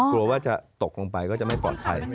กลัวว่าจะตกลงไปก็จะไม่ปลอดภัย